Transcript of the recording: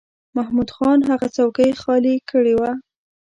محمود خان هغه څوکۍ خالی کړې وه.